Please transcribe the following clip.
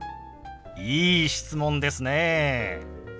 いい質問ですね。